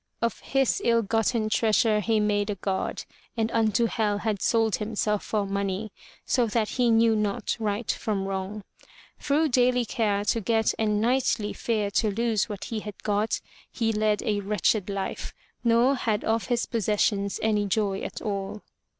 Of his ill gotten treasure he made a god and unto hell had sold himself for money, so that he knew not right from wrong. Through daily care to get and nightly fear to lose what he had got, he led a wretched life, nor had of his possessions any joy at all.